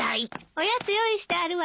おやつ用意してあるわよ。